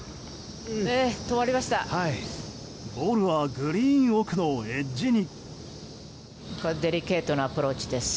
ボールはグリーン奥のエッジに。